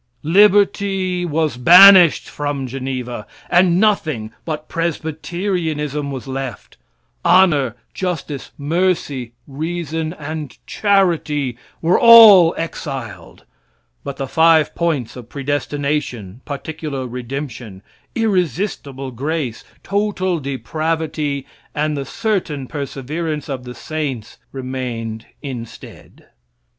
Liberty was banished from Geneva, and nothing but Presbyterianism was left; honor, justice, mercy, reason and charity were all exiled; but the five points of predestination, particular redemption, irresistible grace, total depravity, and the certain perseverance of the saints remained instead.